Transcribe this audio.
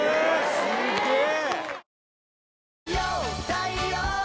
すげえ！